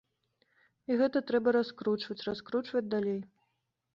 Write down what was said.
І гэта трэба раскручваць, раскручваць далей.